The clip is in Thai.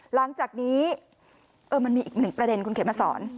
หลังจากนี้มันมีอีกหนึ่งประเด็นคุณเขมสอน